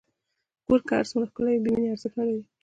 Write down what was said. کور که هر څومره ښکلی وي، بېمینې ارزښت نه لري.